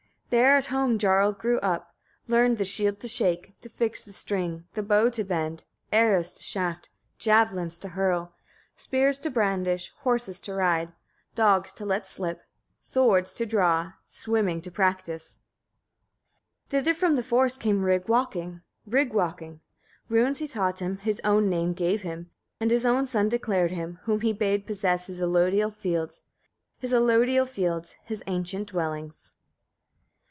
32. There at home Jarl grew up, learned the shield to shake, to fix the string, the bow to bend, arrows to shaft, javelins to hurl, spears to brandish, horses to ride, dogs to let slip, swords to draw, swimming to practise. 33. Thither from the forest came Rig walking, Rig walking: runes he taught him, his own name gave him, and his own son declared him, whom he bade possess his alodial fields, his alodial fields, his ancient dwellings.